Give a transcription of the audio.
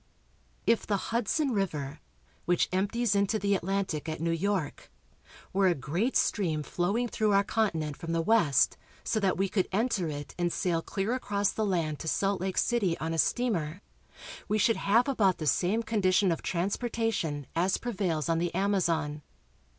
If the Hudson river, which empties into the Atlantic at New York, were a great stream flowing through our con tinent from the west, so that we could enter it and sail clear across the land to Salt Lake City on a steamer, we should have about the same condition of transportation as prevails on the Amazon.